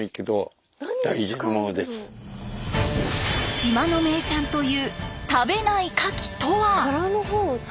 島の名産という食べないカキとは？